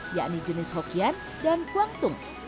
yakni jenis hokian dan kuangtung